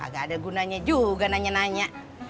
gak ada gunanya juga nanya nanya